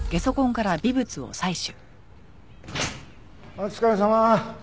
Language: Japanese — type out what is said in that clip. お疲れさま。